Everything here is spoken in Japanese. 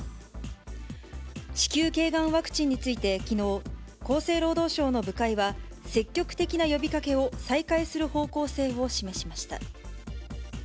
子宮けいがんワクチンについて、きのう、厚生労働省の部会は、積極的な呼びかけを再開する方向性を示しました。